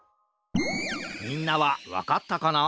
みんなはわかったかな？